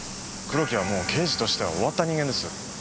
黒木はもう刑事としては終わった人間です。